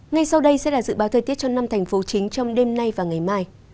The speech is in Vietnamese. ngay sau đây sẽ là dự báo thời tiết cho năm thành phố chính trong đêm nay và ngày mai